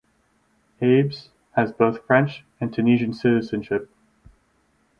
Abbes has both French and Tunisian citizenship.